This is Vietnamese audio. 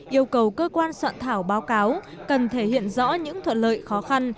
yêu cầu cơ quan soạn thảo báo cáo cần thể hiện rõ những thuận lợi khó khăn